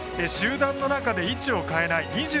集団の中で位置を変えない。